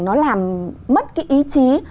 nó làm mất cái ý chí